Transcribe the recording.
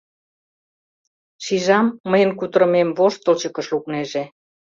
Шижам, мыйын кутырымем воштылчыкыш лукнеже.